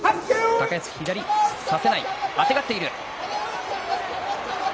高安、左、差せない、あてがっている。